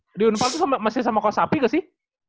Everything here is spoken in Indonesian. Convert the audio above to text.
lo di unpal tuh masih sama coach api ke sih